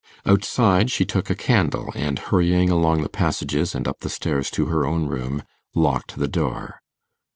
Outside, she took a candle, and, hurrying along the passages and up the stairs to her own room, locked the door.